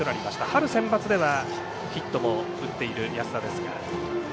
春センバツではヒットも打っている安田です。